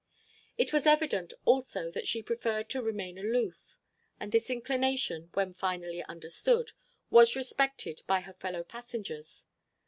It was evident, also, that she preferred to remain aloof; and this inclination, when finally understood, was respected by her fellow passengers.